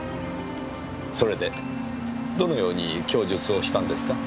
それでどのように供述をしたんですか？